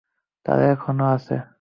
তারা এখনো এখানে আছে।